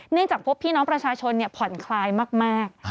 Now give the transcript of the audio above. เนื่องจากพวกพี่น้องประชาชนผ่อนคลายมาก